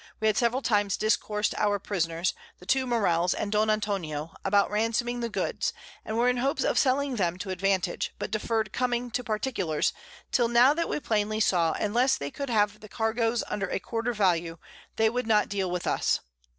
We had several times discours'd our Prisoners, the two Morells, and Don Antonio about ransoming the Goods, and were in hopes of selling them to advantage, but deferr'd coming to Particulars, till now that we plainly saw, unless they could have the Cargoes under a quarter Value, they would not deal with us.